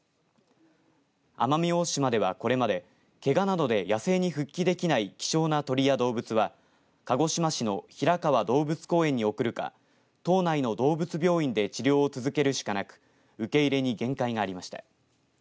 奄美大島ではこれまでけがなどで野生に復帰できない希少な鳥や動物は鹿児島市の平川動物公園に送るか島内の動物病院で治療を続けるしかなく受け入れに限界がありました。